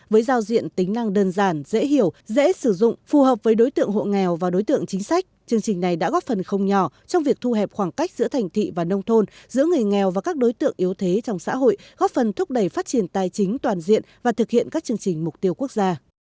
với giao diện tính năng đơn giản dễ hiểu dễ sử dụng phù hợp với đối tượng hộ nghèo và đối tượng chính sách chương trình này đã góp phần không nhỏ trong việc thu hẹp khoảng cách giữa thành thị và nông thôn giữa người nghèo và các đối tượng yếu thế trong xã hội góp phần thúc đẩy phát triển tài chính toàn diện và thực hiện các chương trình mục tiêu quốc gia